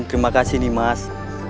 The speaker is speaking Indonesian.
terima kasih nih mas